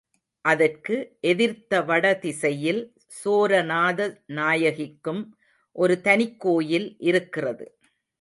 அதற்கு எதிர்த்த வட திசையில் சோரநாத நாயகிக்கும் ஒரு தனிக்கோயில் இருக்கிறது.